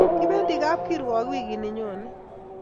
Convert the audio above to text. kipendi kapkirwok wikini nyonet